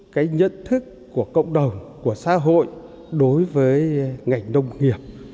cái nhận thức của cộng đồng của xã hội đối với ngành nông nghiệp